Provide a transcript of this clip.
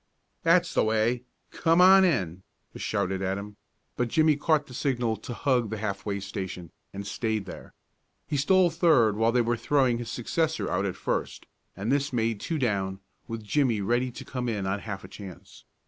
"That's the way! Come on in!" was shouted at him, but Jimmie caught the signal to hug the half way station, and stayed there. He stole third while they were throwing his successor out at first, and this made two down, with Jimmie ready to come in on half a chance.